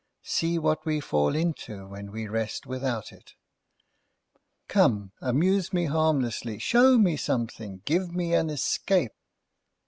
See what we fall into, when we rest without it. Come! Amuse me harmlessly, show me something, give me an escape!"